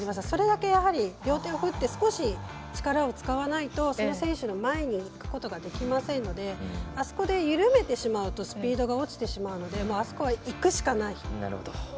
それだけ、やはり両手を振って少し力を使わないとその選手の前にいくことができませんのであそこで、緩めてしまうとスピードが落ちてしまうのであそこは行くしかないところだなと。